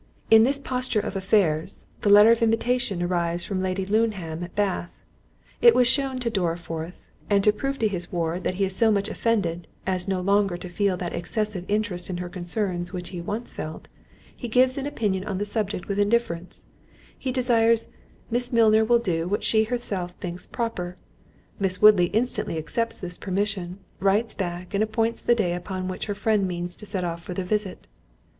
In this posture of affairs, the letter of invitation arrives from Lady Luneham at Bath; it was shewn to Dorriforth; and to prove to his ward that he is so much offended, as no longer to feel that excessive interest in her concerns which he once felt, he gives an opinion on the subject with indifference—he desires "Miss Milner will do what she herself thinks proper." Miss Woodley instantly accepts this permission, writes back, and appoints the day upon which her friend means to set off for the visit.